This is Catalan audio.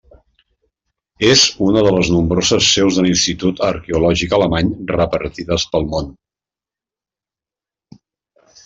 És una de les nombroses seus de l'Institut Arqueològic Alemany repartides pel món.